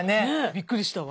びっくりしたわ。